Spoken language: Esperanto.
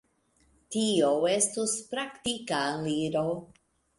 Tio estus praktika aliro.